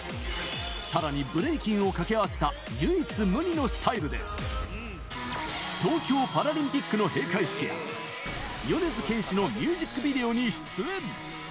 さらに、ブレイキンを掛け合わせた唯一無二のスタイルで、東京パラリンピックの閉会式や、米津玄師のミュージックビデオに出演。